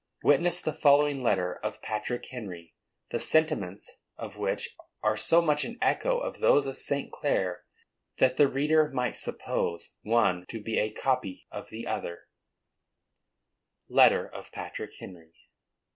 Witness the following letter of Patrick Henry, the sentiments of which are so much an echo of those of St. Clare that the reader might suppose one to be a copy of the other: LETTER OF PATRICK HENRY.